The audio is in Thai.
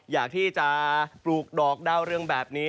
อยากที่จะปลูกดอกดาวเรืองแบบนี้